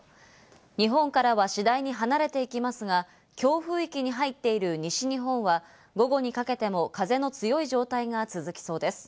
日本からは次第に離れていきますが、強風域に入っている西日本は午後にかけても風の強い状態が続きそうです。